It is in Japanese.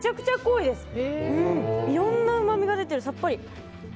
いろんなうまみが出てるさっぱり！